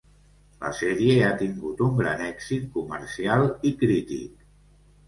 La sèrie ha tingut un gran èxit comercial i crític.